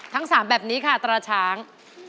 ทั้ง๓แบบนี้ค่ะตราช้าง